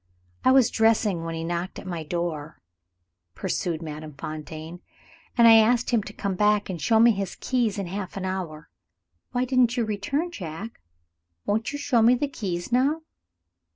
"I was dressing when he knocked at my door," pursued Madame Fontaine; "and I asked him to come back, and show me his keys in half an hour. Why didn't you return, Jack? Won't you show me the keys now?"